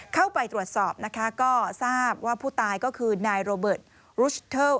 เข้าไปตรวจสอบนะคะก็ทราบว่าผู้ตายก็คือนายโรเบิร์ตรุชเทิล